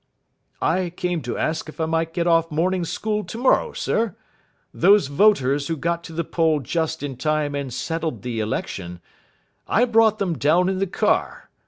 "I came to ask if I might get off morning school tomorrow, sir. Those voters who got to the poll just in time and settled the election I brought them down in the car.